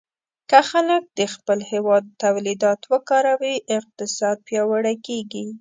که خلک د خپل هېواد تولیدات وکاروي، اقتصاد پیاوړی کېږي.